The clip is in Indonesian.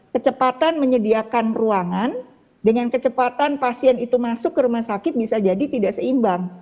kecepatan menyediakan ruangan dengan kecepatan pasien itu masuk ke rumah sakit bisa jadi tidak seimbang